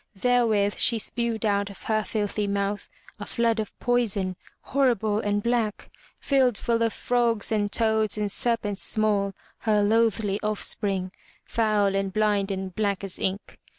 Therewith she spewed out of her filthy mouth a flood of poison, horrible and black, filled full of frogs and toads and serpents small, her loathly offspring, foul and blind and black as ink.